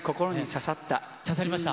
刺さりました？